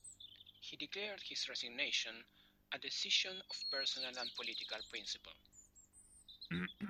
He declared his resignation a "decision of personal and political principle".